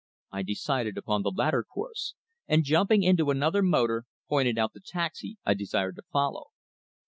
I decided upon the latter course, and jumping into another motor, pointed out the taxi I desired to follow.